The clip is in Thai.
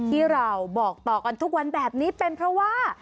ที่เราบอกต่อกันทุกวันแบบนี้เป็นเพราะว่า